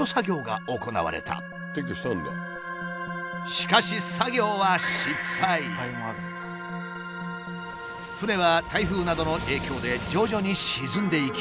しかし作業は船は台風などの影響で徐々に沈んでいき